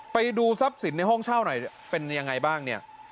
ไปดูทรัพย์สินในห้องเช่าหน่อยเป็นยังไงบ้างเนี่ย